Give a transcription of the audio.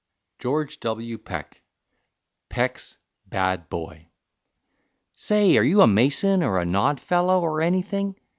GEORGE W. PECK PECK'S BAD BOY "Say, are you a Mason, or a Nodfellow, or anything?"